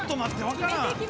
わからん。